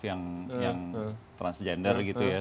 yang transgender gitu ya